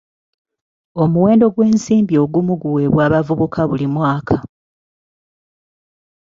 Omuwendo gw'ensimbi ogumu guweebwa abavubuka buli mwaka.